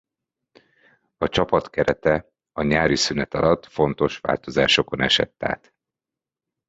A csapat kerete a nyári szünet alatt fontos változásokon esett át.